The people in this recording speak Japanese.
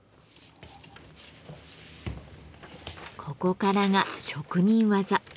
ここからが職人技。